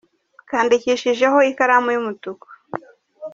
kandikishijeho ikaramu y΄umutuku.